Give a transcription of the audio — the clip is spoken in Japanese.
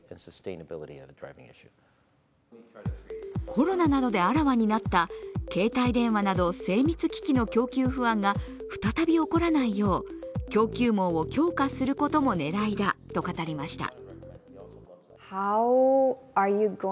コロナなどであらわになった携帯電話など精密機器の供給不安が再び起こらないよう供給網を強化することも狙いだと語りました。